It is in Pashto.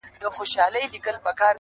• پلار یې راوستئ عسکرو سم په منډه..